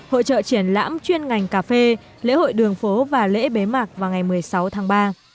hội trợ triển lãm chuyên ngành cà phê lễ hội đường phố và lễ bế mạc vào ngày một mươi sáu tháng ba